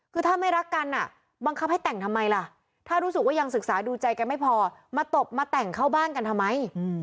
คือถ้าไม่รักกันบังคับให้แต่งทำไมล่ะถ้ารู้สึกว่ายังศึกษาดูใจกันไม่พอมาตบมาแต่งเข้าบ้านกันทำไม